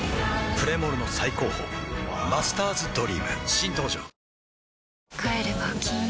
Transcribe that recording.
プレモルの最高峰「マスターズドリーム」新登場ワオキャー！！！